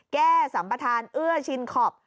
สัมประธานเอื้อชินคอป